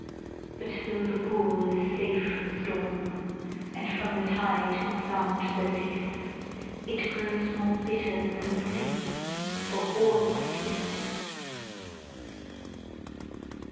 But tho' the pool is safe from storm And from the tide has found surcease, It grows more bitter than the sea, For all its peace.